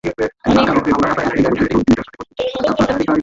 অনেকে চরমপন্থায় প্রভাবিত হয়ে পড়ে।